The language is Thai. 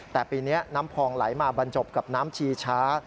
แต่ปีนี้น้ำพองไหลมาบรรจบกับน้ำชีช้า